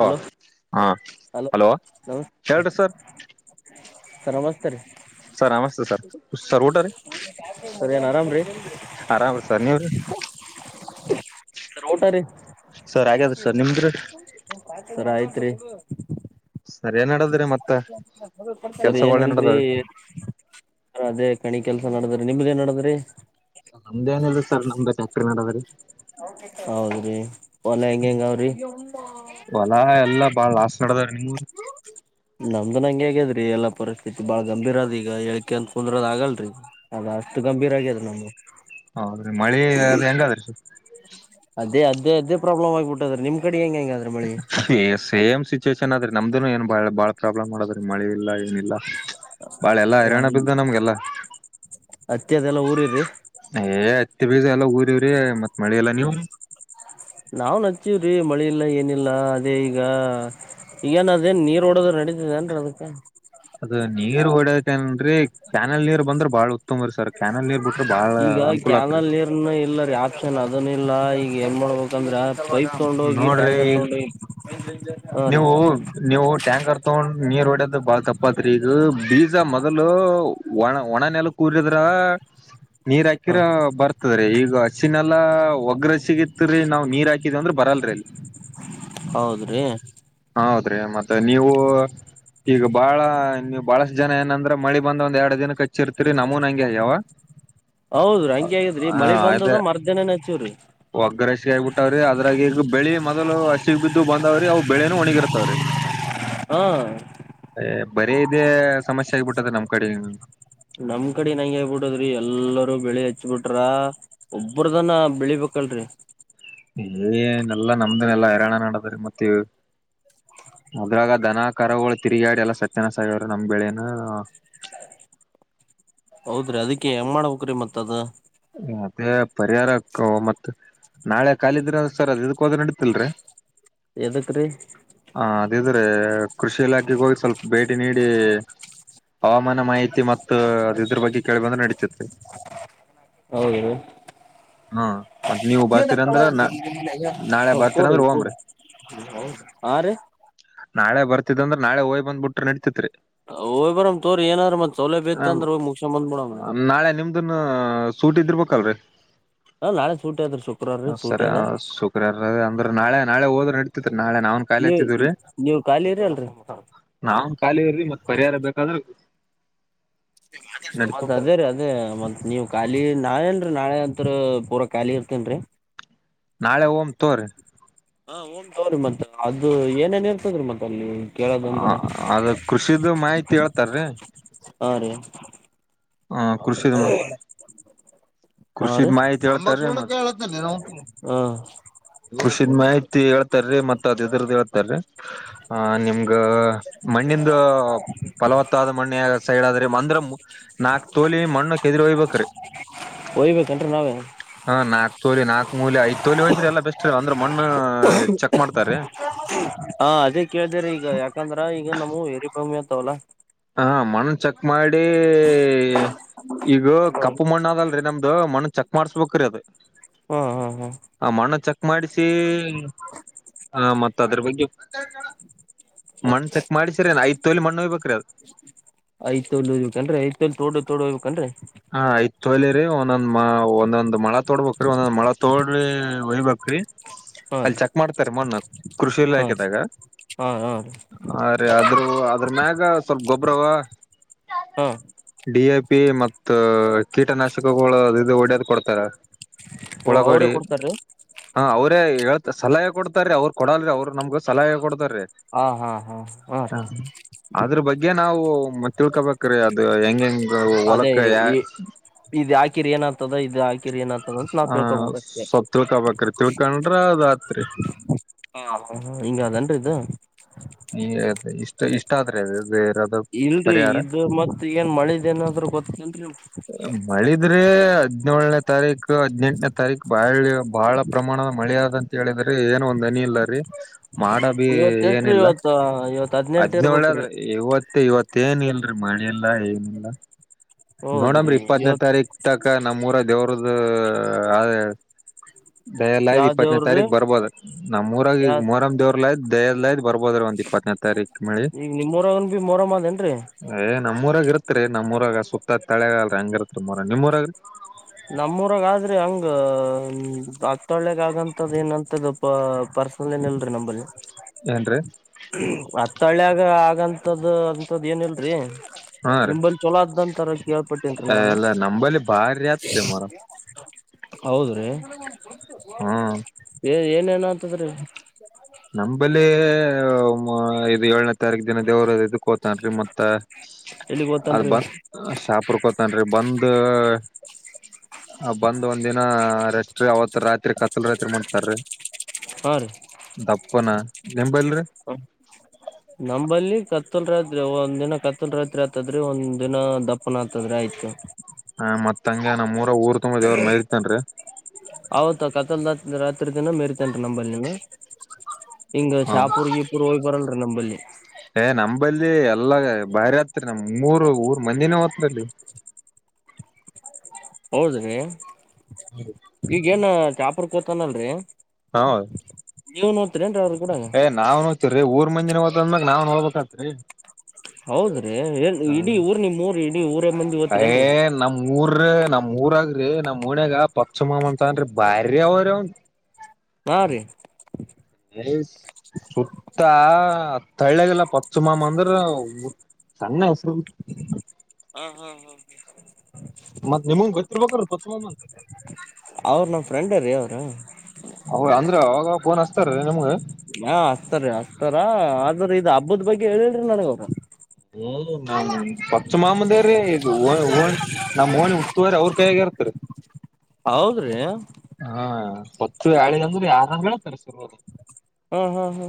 Hello ಹಾ hello ಕೇಳುಸ್ತಾ ಹೇಳ್ರಿ ಸರ್ [unintelligible] ಸರವತ್ತ ರೀ [unintelligible] ಸರ್ ನಮಸ್ತೆ ಸರ್ ಸರ್ ಊಟ ರೀ ಸರ್ ಏನ್ ಆರಾಮ್ರೀ ಆರಾಮ್ರೀ ಸರ್ ನೀವ್ರಿ ಸರ್ ಊಟ ರೀ ಸರ್ ಆಗಾದ್ರೀ ಸರ್ ನಿಮ್ದರಿ [unintelligible] ಸರ್ ಆಯ್ತ್ ರಿ ಸರ್ ಏನ್ ನಡದ್ರಿ ಮತ್ತ [unintelligible] [inaudible] ಸರ್ ಏನ ಕೆಲ್ಸಗಳ್ ಏನ್ ಇಲ್ರಿ ನಡದಾವ್ರಿ ಅದೇ [unintelligible] ಮನಿ ಕೆಲಸಾ ನಡದ್ರಿ ನಿಮ್ದ ಎನ್ ನಡದ್ರಿ [unintelligible] ಸರ್ ನಮ್ದು ಫ್ಯಾಕ್ಟರಿ [inaudible] [unintelligible] ಹೌದ್ರಿ ಹೋಲ ಹೆಂಗ್ ಹೆಂಗವ್ರಿ ಹೊಲಾ ಎಲ್ಲಾ ಬಾಳ್ ಲಾಸ್ ನಡದಾವ್ರಿ ನಿಮ್ಮೂರಿ ನಮ್ದನು ಹಂಗೆ [unintelligible] ಆಗ್ಯದ್ರೀ ಎಲ್ಲಾ ಪರಿಸ್ಥಿತಿ ಬಾಳ ಗಂಭೀರ ಅದೆ ಯಾಕ್ ಅಂತ್ ಕುಂದ್ರದ ಆಗಲ್ ರಿ ಅದ ಅಷ್ಟ ಗಂಭೀರ ಆಗ್ಯದ ನಮಗ [unintelligible] ಹೌದರೀ ಮಳೆ ಅದು ಹೆಂಗ್ ಅದ [unintelligible] [unintelligible] ಅದೇ ಅದೇ ಅದೇ ಪ್ರಾಬ್ಲಮ್ ಆಗ್ಬಿಟ್ಟದ್ ರಿ ನಿಮ್ ಕಡ್ ಏ ಸೇಮ್ ಸಿ [unintelligible] ಚಿಶನ್ನ್ನಾದ್ರಿ ನಮ್ದುೂ ಏನ್ ಬಾಳ ಬಾಳ ಪ್ರಾಬ್ಲಮ್ ಮಾಡದ್ರಿ ಮಳೆ ಇಲ್ಲ ಏನಿಲ್ಲ. [unintelligible] ಬಾಳ ಎಲ್ಲಾ ಹೈರಾಣ ಬಿದ್ದ ನಮಗ ಎಲ್ಲಾ ಹತ್ತಿ ಏ ಅದೆಲ್ಲಾ ಊರಿರಿ [unintelligible] ಬಿತ್ತಿ ಬೀಜ ಎಲ್ಲಾ ಹುದಿ ಕುಂತಿವರಿ ಮತ್ತ ಮಳೆ ಇಲ್ಲ ನೀವು [unintelligible] ನಾವ್ ನಚ್ಚವ್ರೀ ಮಳಿ ಇಲ್ಲ ಏನಿಲ್ಲ ಅದೇ ಈಗ ಈಗೇನ್ ಅದೇನ್ ನೀರ್ ಹೊಡದರ್ ನಡತಿ ಏನ್ರೀ ಅದಕ್ಕ [unintelligible] ಅದ ನೀರ್ ಒಡ್ಯಾಕನರಿ ಕ್ಯಾನಲ್ ನೀರ್ ಬಂದ್ರ ಬಾಳ [unintelligible] ಕ್ಯಾನಲ್ ನೀರ್ ಬಿಟ್ರ ಬಾಳ ಈಗ ಅನುಕೂಲ ಆತ್ರಿ ಕ್ಯಾನಲ್ ನೀರನ್ನ ಇಲ್ಲರಿ ಆಪ್ಷನ್ ಅ [unintelligible] ಅದನ ಇಲ್ಲ ಈಗ ಏನ್ ಮಾಡ್ಬೇಕಂದ್ರ [unintelligible] [inaudible] ಪೈಪ್ ತಗೊಂಡ ಹೋಗಿ ನೋಡ್ರಿ ಈಗ ಟ್ಯಾಂಕಹತ್ತಗೊಂಡ ಹೋಗಿ ಹ ರೀ ನೀವು [unintelligible] ನೀವು ಟ್ಯಾಂಕರ್ ತಗೊಂಡ್ ನೀರ್ ಹೋಡ್ಯದ ಬಾಳ ತಪ್ಪತ್ರಿ ಈಗ ಬೀಜ ಮೊದಲು ಒಣ ಒಣನೆಲ್ಲ ಕೂರ್ಯಿದ್ರ [unintelligible] ನೀರ್ ಹಾಕಿರ ಹ ಬರ್ತದ್ರ ಈಗ [unintelligible] ಹಸಿನ ನೆಲಾ ಒಗ್ಗ್ರ ಸಿಗತ್ ರಿ ನಮ್ ನೀರ್ ಹಾಕಿದ ಅಂದ್ರ [unintelligible] ಬರಲ್ರಿ ಹೌದ್ ರಿ [unintelligible] ಹೌದ್ರಿ ಮತ್ತೆ ನೀವು ಈಗ ಬಾಳ ನೀವು ಬಹಳಷ್ಟ ಜನ ಏನಂದ್ರ ಮಳಿ ಬಂದ ಒಂದ್ ಎರಡ್ ದಿನಕ್ಕೆ ಹಚ್ಚಿರ್ತೀರಿ ನಮೂನ್ ಹಂಗೆ ಆಯ್ಯಾವ ಹೌದ್ರೀ ಹಂಗ ಆಗಿದ್ರಿ ಮಳಿ ಬಂದದ ಮರದಿನೇನ ಹಚ್ಚವ್ರಿ ಹಿ ಆಗಬಟ್ಟಾವ್ರಿದ್ರಾರ್ಗ ಬೆಳ ಮದಲು ಹಸಿಗ ಬಿದ್ದು ಬಂದವ್ರಿ ಅವ ಬೆಳೆನೂ ಒಣಿಗಿರತ್ತವ್ರ ಹ್ಮ ಅ ಬರೀ ಇದೆ ಸಮಸ್ಯೆ ಆಗ್ಬಿಟ್ಟದ ನಮ್ ಕಡೆ ನಮ್ ಕಡೆ ನಂಗ ಹೇಗ್ಬಿಡದ್ರಿ ಎಲ್ಲರೂ ಬೆಳಿ ಹಚ್ಬಿಟ್ರ ಒಬ್ಬ್ರದನ ಬೆಳಿಬೆಕಲ್ರರಿ ಏನೆಲ್ಲಾ ನಮ್ದನೆೆಲ್ಲಾ ಹೈರಾಣ ನಡದ್ರೆ ಮತ್ತೆ ಅದ್ರಾಗ ದನ ಕರಗಳು ತಿರುಗಾಡಿ ಎಲ್ಲ ಸತ್ಯನ ಸಾಯಿ ಅವರು ನಮ ಬೆಳೆನ ಹೌದ್ರಿ ಅದಕ್ಕೆ ಹೆಂಗ ಮಾಡಬೇಕ ಮತ್ತ ತದ ಮತ್ತೇ ಪರಿಹಾರಕ್ಕ ಮತ್ತ ನಾಳೆ ಖಾಲಿದ್ರ ಸರ್ ಅದ್ ಇದಕ್ ಹೋದ ನಡೀತಿಲ್ರಿ ಎದಕ್ಕ ರೀ ಇದ್ರೆ ಕೃಷಿ ಇಲಾಖೆೆಗೆ ಹೋಗಿ ಸ್ವಲ್ಪ ಭೇಟಿ ನೀಡಿ ಹವಾಮಾನ ಮಾಹಿತಿ ಮತ್ತು ಅದ ಇದ್ರ ಬಗ್ಗೆ ಕೇಳಿ ಬಂದ್ರೆ ನಡೀತಿತ ಹೌದು ಹ್ಮ ಮತ್ತೆ ನೀವು ಬಂದ ಕೂಡ ಅಂದ್ರ ಕೂಡ ಹೋಗಂಬ್ರಿ ಹಾ ರೀ ನಾಳೆ ಬರ್ತ ಅಂದ್ರ ನಳೆ ಹೋಗ್ ಬಂದ ಬಿಟ್ರೆ ನಡತತ್ರಿ ಹೋಗಿ ಯ್ ಬರ್ ತೋರಿ ಏನಾರ ಮತ್ ಸೌಲಭ್ಯ ಬತ್ ಅಂದ್ರ್ ಮುಗುಸ್ಕೊ ಬಂದ್ಬೋಡ್ರಿ ಅದನ್ನ ಸೂಟಿ ಇದ್ದಿರ್ಬೇಕಲ್ರರಿ ಹ ನಾಳೆ ಸೂಟಿ ಅದ್ರೀ ಶುಕ್ರವಾರ ರೀ ಸೂಟಿ ಅದ ಅಂದ್ರೆ ನಾಳ ನಾಳೆ ಹದ್ ನಡ್ತ ನಾಳೆ ನಾವನ್ ಖಾಲಿ ನೀವ್ ಇತಿದವ್ರೀ ನೀವ್ ಖಾಲಿ ಇರಿ ಅಲ್ರರಿ ನಾವನ್ ಖಾಲಿ ಇರಿ ಮತ್ ಪರಿಹಾರ ಬೇಕಾದ್ರೆ ಮತ್ ಅದೇ ರೀ ಅದೇ ಮತ್ ನೀವ್ ಖಾಲಿ ನಾಳೇನ್ರರಿ ನಾಳೆ ಅತ್ ಪೂರಾ ಖಾಲಿ ಇರ್ತೇನ್ರಿ ನಾಳೆ ಓಮ ತೋರಿ ಹಾ ಹಂ ತವ್ರಿ ಮತ್ ಅದು ಏನೇನ್ ಇರ್ತದ್ರಿ ಮತ್ತ ಅಲ್ಲಿ ಹ ಕೇಳೋದಂದ್ರ ಅದ ಕೃಷಿದು ಮಾಹಿತಿ ಹೇಳ್ತಾರೀ ಹಾ ರೀ ಹಾ ಕೃಷಿ [inaudible] ಹಾ ರೀ ಕೃಷಿದ್ ಮಾಹಿತಿ ಹೇಳ್ತಾರೆ ಹಾ ಕೃಷಿದ ಮಾಹಿತಿ ಹೇಳ್ತ ರೀ ಮತ್ತ ಅದು ಇದುರದ ಹೇಳ್ತಾರೀ ಆ ನಿಮ್ ಹಾ ಮಣ್ಣಿಂದ ಫಲವತ್ತಾದ ಮಣ್ಣಿ ಸೈಡ್ ಆದ್ರೆ ಅಂದ್ರ ನಾಕ್ ತೋಲಿ ಮಣ್ಣು ಕೆದರಿ ವೈ ಬೇಕ್ರಿ ಓಯ್ಬೇಕನ್ರಿ ನಾವೇ ನಾಲ್ಕು ಮೂಲೆ ಐ ತೊಲೀ ವೈದ್ರ್ ಎಲ್ಲ ಬೆಸ್ಟ್ ಅ ಮಣ್ಣ ಚೆಕ್ ಮಾಡ್ತಾರೆ ಇಲ್ಲ ಯಾಕಂದ್ರೆ ಈಗ ನಾವುರಿ [unintelligible] ಕಮಯತ ಅವಲ್ಲ ಹಾ ಮಣ್ಣು ಚೆಕ್ ಮಾಡಿ ಈಗ ಕಪ್ಪು ಹಾ ಮಣ್ಣ ಅದಲ್ರಿೀ ನಮ್ದ ಅ ಮಣನ್ ಚಕ್ ಮಾಡಸ್ಬೇಕು್ರೀ ಅದು ಹಾ ಹಾ ಆ ಮಣ್ಣು ಚೆಕ್ ಮಾಡಿಸಿ ಆ ಮತ್ತ ಅದ್ರ ಬಗ್ಗೆ ಮಣ್ಣ್ ಚೆಕ್ ಮಾಡ್ಸಿ ಸರಿ ಐತ್ ತೊಲಿ ಮಣ್ಣ ಹಯ್ಬೇಕ್ರಿ ಅದು ಐತ್ ಒ ಹ್ ಅ್ರೆ ಐತ್ಲ್ ತೋಡ ತೋಡ ಹುಯಬೇಕು ಅ್ರೆ ಹಾ ಆಯ್ತ ತೊಯ್ಲಿರಿ ಒಂದೊಂದ್ ಮ ಒಂದೊಂದ್ ಮೊಳ ತೋಡ್ಬೇಕ್ರಿ ಒಂದೊಂದ್ ಮೊಳ ತೋಡ್ರಿ ಒಯ್ಬೇಕ್ರಿ ಹಾ ಅಲ್ಲಿ ರೀ ಚೆಕ್ ಮಾಡ್ತಾರೆ ಮೊನ್ನ ಕೃಷಿ ಹಾ ಇಲಾಖೆದಾಗ ಹಾ ಹಾ ರೀ ಅೆ ಆದ್ರೂ ಅದ್ರ ಮ್ಯಾಗ ಸ್ವಲ್ಪ ಗೊಬ್ಬ್ರವ ಹಾ ಡಿ ಎಫ ಪೇ ಮತ್ತ ಕೀಟನಾಶಕಗಳು ಇದು ಒಡ್ಯದ್ ಕೊಡ್ತಾರ ಓ ಅವ್ರೇ ಒಳಗೋಡಿ ಕೊಡ್ತಾರೀ ಹ ಅವತ್ತು ೇಳ್ ಸಲಹ ಕೊಡ್ತಾರೆ ಅವ್ರು ಕೊಡಲ್ರಿ ಅವ್ರು ನಮ್ಗೆ ಸಲಹೆ ಕೊಡ್ತ ಹಾ ಹಾ ಹಾ ಹ್ಮ ಗೆ ನಾವು ತಿಳ್ಕೊಬೇಕ್ರೀ ಅದು ಹೆಂಗ ಹೆಂಗ ಹೊಲ ಇ ಇದು ಹಾಕಿರಿ ಏನಾಗ್ತದ ಇದು ಹಾಕಿ ಕ್ರರಿಯನ [unintelligible] ಹ ಸ್ವಲ್ಪ ತಿಳ್ಕೊಬೇಕ್ರಿ ತಿಳ್ಕೊಂಡ್ರಾ ಅದು ಆಯ್ತ್ರಿ ಹಾ ಹ ಹ ಹಿಂಗ ಅದಾನ್ರಿ ಇದು ಇ ಇಷ್ಟ ಇಷ್ಟ ಆದ್ರೆೇ ದೇ ಇಲ್ರರಿ ಇದ ಮತ್ ಏನ್ ಮಳಿದ ಏನಾದ್ರೂ ಗೊತ್ತನ್ರಿ ಮಳೆ ಆದ್ರೆ ಹದಿನೋಳನೇ ತಾರೀಕು ಹದ್ನೆೆಂಟನೇ ತಾರೀಕ್ ಬಾಳ ಬಹಳ ಪ್ರಮಾಣದ ಮಳೆ ಆದಾದಂತ ಹೇಳಿದ್ರೆ ಏನ ಒಂದ್ ಹನಿ ಇಲ್ಲ ರೀ ಮಾಡ ದ್ ಇವತ್ ಎಷ್ಟ್ರೀ ಏನಿಲ್ಲ ಇವತ್ ಇವತ್ ಹದ್ನೆಂಟ ಹದ್ನೇಳೆ ಇರ್ಬೇಕ್ರಿ ಆದ್ರೆ ಇವತ್ತ ಇವತ್ತು ತ್ತೇನ್ ಇಲ್ರಿ ಮಳೆಲ್ಲ ಏನಿಲ್ಲ ನೋಡಮ್ರೀ ಹೌದ್ರಿ ಇಪ್ಪತ್ತನೇ ಇವತ್ ತಾರೀಕ್ ತಕ್ ನಮ್ಮೂಊರ ದೇವ್ರದ್ದು ಅ ದಯ ಎ ಆಯ್ ಯಾವ ಇಪ್ಪತ್ತತ್ನೇ ದೇವ್ರ್ರೀ ತಾರೀಕ್ ಬರ್ಬೋದ ಯಾ ನಮ್ಮ್ಊರಾಗಗ ಮರಮ ದವ್ರಲ ಆದ್ ದಯದ್ ಬರ್ಬೋದ್ರ ಒಂದ ಇಪ್ಪತ್ತತ್ [unintelligible] ಈಗ ನಿಮ್ ಮರಾಗನ್ ಬಿ ಮರ ಅದೇನ್ರರಿ [unintelligible] ನಮ್ಮ್ಊರಾಗ ಇರುತ್ೆ ನಮ್ಮೂರಾಗ ಸುುತ್ತ [unintelligible] ಮ ತಳೆಗಲ್ ಹಂಗರತ್ರ ಮರ ನಿಮ್ಮ್ಊರಾಗ [unintelligible] ನಮ್ಮೂರಾಗ ಆದ್ರಿ ಹಂಗ ಆಕ್ತಳಿಗ ಆಗಂತದ ಏನಂತದ್ದ ಪ ಪರ್ಸನಲ್ ಏನ್ ಇಲ್ರರಿ ನಂಬಲ್ಲಿ ಏನ್ರೀ ತಳ್ಯಾಗ ಆಗಂಂತದ್ದ ಅಂಂತದ ಏನ ಇಲ್ರಿ ಹಾ ರೀ ನಿಮ ಬಲ್ಲಿ ಚೊಲೋ ಆದ್ದಂತರ ಕೇಳ್ಪಟ್ಟೇನ್ರಿೀ ನಾವಲ್ಲ ಯತ ಅಾರ [unintelligible] ಹೌದ್ರೀ ಹೋಗುದು ಹ್ಮ್ ಎ ಏನೇನ ಹದ್ರ ಬಲ್ಲಿ ಅ ಇದು ಏಳನೇ ತಾರೀಕು ದಿನ ದೇವ್ರ ಇದಕ್ಕ ಹೋತಾನ್ರಿ ಮತ್ತ ಎಲ್ಲಿಗ್ ಅದ ಗೊತ್ತನ್ರಿ ಬ ಶಾಪುರ್ ಕೋತನ್ರಿ ಬಂದ್ ಬಂದ್ ಒಂದ ದಿನ ರೆಸ್ಟ್ ರೀ ಅವತ್ ರಾತ್ರಿ ಕತ್ಲ್ ರಾತ್ರಿ ಮಾಡ್ತಾರೀ. ಹರಿ ಗನಾ ನಿಂಬಲ್ರಿ. ನಂಬಲ್ಲಿ ಕತ್ತಲ್ ರಾತ್ರಿ ಒಂದ್ ದಿನ ಕತ್ತಲ್ ರಾತ್ರಿ ಆತದ್ರೆ ಒಂದ್ ದಿನ ದಪ್ಪನ ಹತದ್ರೆ ಆಯ್ತು ಹ ಮತ್ಂಗಗೆ ನಮ್ಮ್ೂರ ಊರ್ ತುಂಬ ದೇವ್ರ ಮೈರಿತನ್ರಿ [unintelligible] ಹೌತ್ಾ ಕತ್ತಲ್ಾ ರಾತ್ರಿ ದಿನ ಮೆರ್ತ [unintelligible] ಇೇನ್ರಿ ನಂಬಲ್ಲಿ ಹಿಂಗ ಹ ಶಾಪೂರ್ ಜೀಪುರ್ ಹೋಗ್ ಬರಲ್ರರಿ ನಂಬಲ್ಲಿ [unintelligible] ಬಲ್ಲಿ ಎಲ್ಲ ಬಾರಿ ಆತ್ರಿ ನಮ ಮೂರ್ ಊರ್ ಮಂದಿನ ಹತ್ರ ಹೌದ್ರಿ. ಈಗೇನ ಚಾಪುರ್ ಕೂತಾನಲ್ರಿ. ಹಾ ನೀವು ನೋಡ್ತೀರ ಏನ್ರಿ ಅವ ಎ ನಾವ್ ಅಂತರು ಯು ಮೂ ಮುಂಜಿನೆ ಹದ ಅಂದಾಗ ನಾವ್ ನೋಡ್ಬೇಕ ಅಕ್ಕತಿ. ಹೌದ್ರಿ ಇಡೀ ಊರ್ ನಿಮ್ ಊರ್ ಇಡೀ ಊರ ಮಂದಿ ಓತ್ರಿ ಏನ್ರಿ. ಮೂರ ನಮ್ ಊರಾಗ ನಮ್ಮ ಒನ್ಯಾಗ ಪಚಮಮಂತ ಅನ್ರಿ ಬಾರಿ ಅವರ ಅವ [unintelligible] ಏ ಸುತ್ತ ಹತ್ತ ಹಳ್ಳಗೆಲ್ಲ ಪಚ್ಚು ಮಾಮ ಅಂದ್ರ ಸಣ್ಣ ಹೆಸರ ಹಾ ಹಾ ಹಾ. ಮತ್ತ ನಿಮಗ ಗೊತ್ತಿರಬೇಕ ಪಚಮಾಮ ಅವ್ರ ನಮ್ ಫ್ರೆಂಡ್ ರೀ ಅವ್ರು ಅವರ ಅಂದ್ರ ಅವವಾಗ ಫೋನ್ ಹಚ್ಚತಾರಿ ನಿಮ್ಗ ಹಾ ಆಸ್ತರಿ ಅಸ್ತಾರ ಆದ್ರ ಇದ ಹಬ್ಬದ ಬಗ್ಗೆ ಹೇಳರೀ ನನಗ ಅವ್ರ ಹ್ಮ ನಾ ಪಚ್ಚ ಮಾಮೂದ್ರೀ ಈದ ಹ ನಮ್ ಓಣಿ ಉಸ್ತುವಾರಿ ಅವ್ರ ಕೈಯಗ ಇರುತ್ತರೀ. ಹೌದ್ರಿ. ಹಾ ಹೊತ್ತು ಹೇಳಿದಂದ್ರೆ ಯಾರಂದ್ರ ತಸಿರ್ದು ಹಾ ಹಾ ಹಾ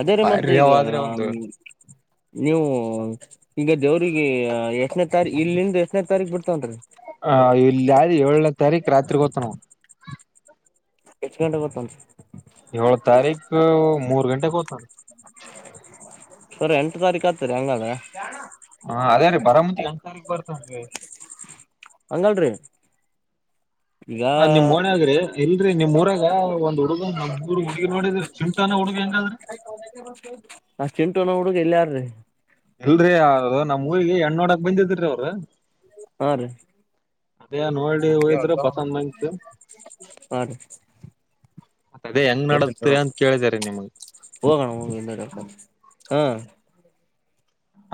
ಅದೇರೀ ಮತ್ತ ಬಾರಿ ಈಗ ಅವಾದ್ರೆ ಒಂದು ನೀವು ಈಗ ದೇವ್ರಿಗ ಎಷ್ಟನೇ ತಾರೀ ಇಲ್ಲಿಂದ ಎಷ್ಟನೇ ತಾರೀಖ್ ಬಿಡ್ತಾನ ಹ ಇಲ್ಲಿ ಯ ಏಳನೇ ತಾರೀಕು ರಾತ್ರಿ ಹೋತ ನ ಅವ ಎಷ್ಟ ಗಂಟೆ ಹೋತಾನ. ಏಳ ತಾರೀಕ ಮೂರ್ ಗಂಟೆಕ ಹೋತಾನ. ಸರಿ ಎಂಟ ತಾರೀಕ ಹತ್ತರಿ ಹಂಗಾರ ಹಾ ಅದೇ ರೀ ಬರ ಮುಂದ ಎಂ ತಾರೀಕ್ ಬರ್ತನ್ರಿ. ಹಂಗಲ್ರಿ ಹ ನಿಮ್ ಓಣ್ಯಾಗ್ರೀ ಎಲ್ಲಿ ನಿಮ್ ಊರಾಗ ಒಂದ್ ಹುಡುಗ ಮೂರ್ ಹುಡುಗಿ ನೋಡಿದ್ರಿ ಚಿಂಟಾನ ಹುಡುಗಿ ಹೆಂಗಾದ್ರಿ ಆ ಚಿಂಟುನ ಹುಡುಗ ಎಲ್ಲರ್ರೀ ಎಲ್ರರಿ ಯ ನಮ್ಮ್ ಊರಿಗೆ ಹೆಣ್ಣು ನೋಡಕ್ ಬಂದಿದ್ರಿ ಅವರು ಹಾ ರೀ ನೋಡಿ ಹೋಗಿದ್ರ ಪಸಂದ್ ಬಂತು ಅದೇ ಹೆಂಗ್ ನಡತ್ರಿ ಅಂತ ಕೇಳಿದಾರೆ ನಿಮ್ಗ [unintelligible]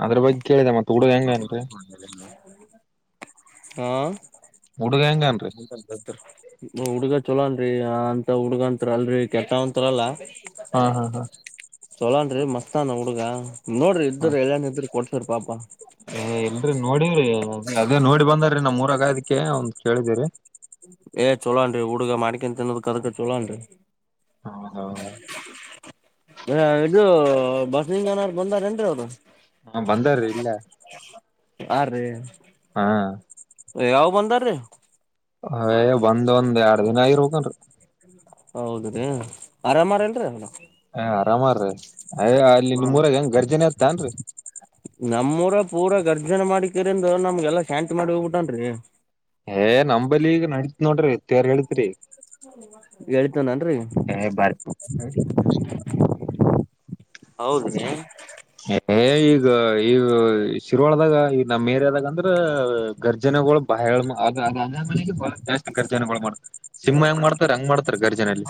ಅದ್ರ ಬಗ್ [unintelligible] ಹಾ ಹುಡುಗ ಹೆಂಗನ್ರಿ ಹುಡುಗ ಚಲೋ ಅಲ್ರಿ ಅಂತ ಹುಡ್ಗಂತರ ಅಲ್ರರಿ ಕೆಟ್ಟವಂತರಲ್ಲ. ಹಾ ಹಾ ಹಾ ಚಲಾನ್ ರೀ ಮಸ್ತ್ ನ ಹುಡುಗ ನೋಡ್ರಿ ಹಾ ಇದ್ರರು ಎಲ್ಲನ್ ಇದ್ರ ಕೊ ಸರ್ ಪಾಪ ನೋಡವ್ರಿ ಅದೇ ನೋಡಿ ಬಂದ್ರೀ ನಮ್ ಮೂರಗ ಅದಕ್ಕೆ ಅವ್ನ ಕೇಳಿದಿರಿ ಏ ಚೊಲೋನ್ರರಿ ಹುಡುಗ ಮಾಡ್ಕೊಂಡು ತಿನ್ನೋಕದಕ ಚೊಲೋಹಾನ್ರಿ ಹೌದೌದ ಇದು ಬಸಲಿಂಗ ಅನಾರ್ ಬಂದಾರ ಏನ್ರೀ ಅವರು ಹಾ ಬಂದಾರ್ರೀ ಇಲ್ಲ ಹಾ ರೀ. ಹಾ. ಯಾವ ಬಂದಾರ್ರೀ. ಅ ಏ ಬಂದ್ ಒಂದ್ ಎರ ದಿನ ಆಗಿರ್ಬೆನರಿ ಹೌದ ರಿ ಆರಾಮ್ ಅರಿಲ್ರಿ ಸಾಮರ್ ರಿ ಹ್ಮ ನಮ್ಮೂರ ಪೂರಾ ಗರ್ಜನ ಮಾಡಿ ರಿಂದು ನಮ್ಗೆಲ್ಲಾ ಶಾಂತಿ ಮಾಡಿ ಹೋಗ್ಬಿಟನ್ರಿ. ಏ ನಂಬಲೀ ಈಗ ನಡಿತ್ತ್ ನೋಡ್ರಿ ತೇರ್ ಹೇಳಿತ್ರಿ. ಏಳಿತ್ತಾನ ಅನ್ರಿ. ಏ ಹೌದ್ರಿ. ಏ ಈಗ ಈಗ ಶಿರುವಾಳ್ ದಾಗ ಈ ನಮ್ಮ್ ಮೇರಿದಾಗ ಅಂದ್ರ ಗರ್ಜನೆಗಳು ಬಹ ಅ ಅದೇ ಮನೆಗೆ ಬಹಳ ಜಾಸ್ತಿ ಗರ್ಜನೆಗಳು ಮಾಡ ಸಿಂಹ ಹೆಂಗ್ ಮಾಡ್ತಾರ ಹಂಗ್ ಮಾಡ್ತಾರೆ ಗರ್ಜನೆಯಲ್ಲಿ.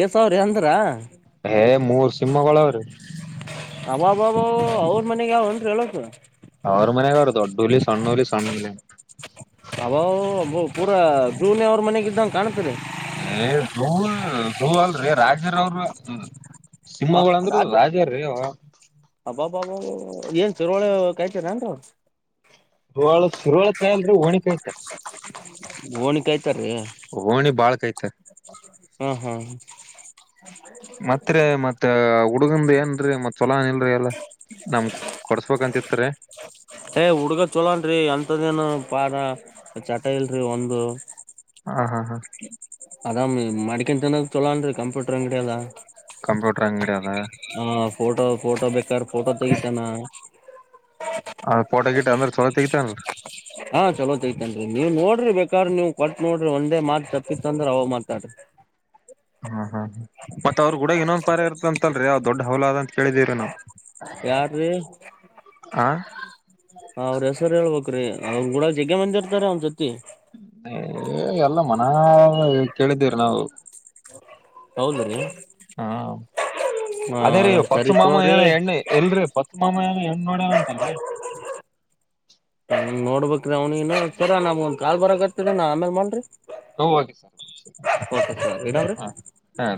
ಏ ಸಾವ್ರ ರಿ ಅಂದ್ರ ಮೂರು ಸಿಂಹಗೋಳು ಆವ್ರಿ ಅಬಾಬಾಬಾಬಾ ಅವ್ರ ಮನೆಗ್ ಯಾವ ಅಲ್ರೀ ಎಲ್ಲಸು. ಅವರ ಮನೆಗ ನೋಡು ದೊಡ್ ಹುಲಿ ಸಣ್ ಹುಲಿ ಸಣ್ ಹುಲಿ ಪೂರ ಝೂ ನೆ ಅವ್ರ ಮನೆಗ ಇದ್ದಂಗ ಕಾಣ್ತರಿ. ಝೂ ಝೂ ಅಲ್ರೀ ರಾಜರ ಅವ್ರ. ಸಿಂಹಳ ಗೋಳ ಅಂದ್ರ ರಾಜಾ ರಿ ಅವ್ರ ಅಬ್ಬಾಬ್ಬಾಬ ಏನ್ ಸುರುಳೆ ಕಾಯ್ತೀರ ಅಂಗ. ಹಳ ಶುರುವಳ ಕಾಯಿ ಅಲ್ರ ಹೋಣಿ ಕಾಯ್ತ. ಓಣಿ ಕಾಯ್ತಾರೀ ಹೋಣಿ ಬಾಳ್ ಕೈ್ತ. ಹೂ ಹೂ ಮತ್ತ ಮತ್ ಹುಡುಗಂದ ಏನ್ರೀ ಮತ್ತ್ ಚಲೋಏ ಇಲ್ರಿ ಎಲ್ಲ ನಮ್ ಕೊಡ್ಸ್ಬೇಕಂತಿತ್ರಿ. ಏ್ ಹುಡ್ಗ ಚೋಲನ್ರಿ ಎಂತದೇನು ಪಾರ ಚಟ ಇಲ್ರಿ ಒಂದು. ಹಾ ಹಾ ಹಾ. ಅದಾಮ್ ಮಡಿಕನ್ ತನದ ಚೊಲೋ ಅನ್ರಿ ಕಂಪ್ಯೂಟರ್ ಅಂಗಡಿ ಅದ. ಕಂಪ್ಯೂಟರ್ ಅಂಗಡಿ ಅದ ಹ ಫೋಟೋ ಫೋಟೋ ಬೇಕಾರ ಫೋಟೋ ತೆಗಿತಾನ. ಹ ಪೋಟ ಗಿಟ್ಟ ಅಂದ್ರ ಚೊಲೋ ತೆಗಿತಾನಲ್ಲ ಹಾ ಚಲೋ ತೈತನ್ರಿ ನೀವ್ ನೋಡ್ರಿ ಬೇಕಾದ್ರ ನೀವ್ ಕೊಟ್ ನೋಡ್ರಿ ಒಂದೇ ಮಾತ್ ತಪ್ಪಿತ್ತ ಅಂದ್ರ ಅವ ಮಾತಾಡ್ರಿ. ಹಾ ಹಾ. ಮತ್ತತ್ ಅವ್ರರು ಕೂಡ ಏನೊಂದು ಉಪಾರ ಇರುತ್ತ ಅಲ್ರಿ ಅವ್ ದೊಡ್ ಹೌಲ ಅಂತ ಕೇಳಿದೀವಿರಿ ನಾವು. ಯಾರ್ ರಿ ಅವ್ರ ಹೆಸರು ಹೇಳ್ಬೇಕ್ ಅವ್ರರು ಕೂಡ ಜಗ್ ಮಂದಿ ಇರ್ತಾರೆ ಅವನ್ ಜೊತಿ. ಎಲ್ಲ ಮನ- ಕೇಳಿದ್ದೀರಿ ನಾವು ಹೌದ ರೀ ಹಾ ಅದೇ ರೀ ಪಚ್ಚು ಸರಿ ಮಾಮ ತೋರಿ ಏನ ಎಣ್ಣೆ ಎಲ್ರಿ ಪ ಸುಮ್ಮ ಮ ಹೆಣ್ ನೋಡ್ಯನ ಅಂತಲ್ರಿ ಹ ನೋಡ್ಬೇಕ ಅವ್ನಿ ಇ ಸರ ನಮ್ ಒಂದ್ ಕಾ ಬರಕತ್ತರ ನಾ ಆಮೇಲೆ ಮಾಡಲ್್ರರಿ ಹ ಓಕೆ ಸರ್ ಗೊತ್ತಾ ಇಟ್ಲಿ ಹಾ ಹಾ